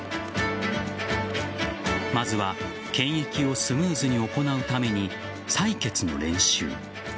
まずは検疫をスムーズに行うために採血の練習。